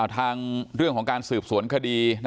ทางเรื่องของการสืบสวนคดี